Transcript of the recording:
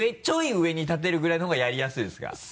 ちょい上に立てるぐらいのほうがやりやすいですか？